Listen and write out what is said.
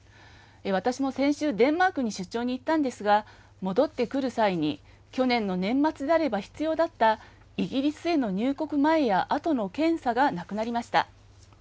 私も先週、デンマークに出張に行ったんですが、戻ってくる際に、去年の年末であれば必要だった、イギリスへの入国前やあとの検査がなくなりました。